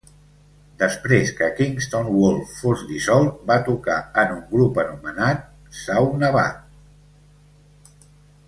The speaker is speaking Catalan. Després que Kingston Wall fos dissolt, va tocar en un grup anomenat Saunabadh.